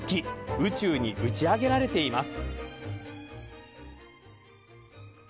宇宙に打ち上げられています。